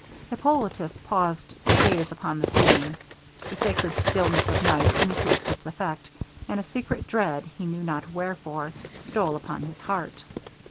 Hippolitus paused to gaze upon the scene; the sacred stillness of night increased its effect, and a secret dread, he knew not wherefore, stole upon his heart.